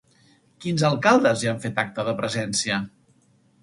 Quins alcaldes hi han fet acte de presència?